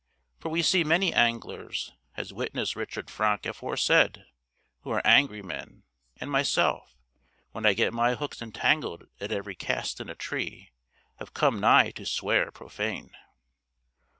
For we see many anglers (as witness Richard Franck aforesaid) who are angry men, and myself, when I get my hooks entangled at every cast in a tree, have come nigh to swear prophane.